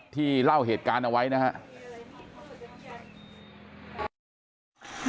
เล่าเหตุการณ์เอาไว้นะครับ